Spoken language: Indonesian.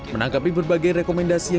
menangkapi berbagai rekomendasi